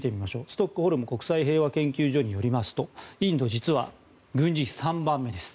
ストックホルム国際平和研究所によりますとインド実は軍事費３番目です。